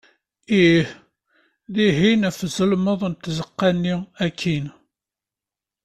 Ih! dihin ɣef ẓelmeḍ n tzeqqa-nni akkin.